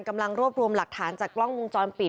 กำลังรวบรวมหลักฐานจากกล้องวงจรปิด